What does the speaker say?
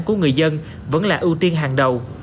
của người dân vẫn là ưu tiên hàng đầu